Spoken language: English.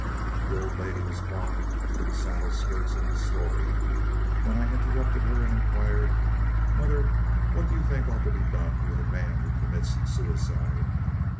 The old lady was bogged to the saddle skirts in the story, when I interrupted her and inquired, 'Mother, what do you think ought to be done with a man who commits suicide?'